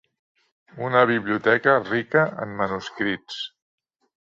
Una biblioteca rica en manuscrits.